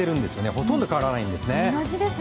ほとんど変わらないんですね。